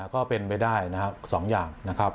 ก็เป็นไปได้นะครับ๒อย่างนะครับ